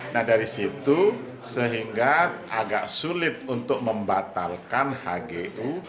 nah dari situ sehingga agak sulit untuk membatalkan hgu